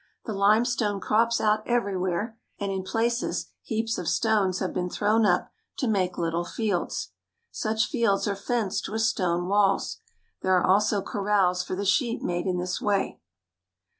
The limestone crops out everywhere, and in places heaps of stones have been thrown up to make little fields. Such fields are fenced with stone walls. There are also corrals for the sheep made in this way.